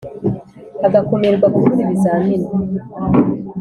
agakumirwa gukora ibizamini